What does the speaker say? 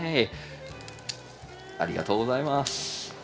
ありがとうございます。